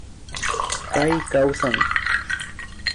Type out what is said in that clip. Pay kawsan